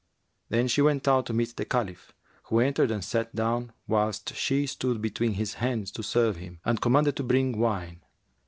Then she went out to meet the Caliph, who entered and sat down, whilst she stood between his hands to serve him, and commanded to bring wine.